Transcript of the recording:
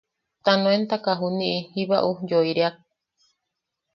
Ta nuentaka juniʼi, jiba ujyoireak.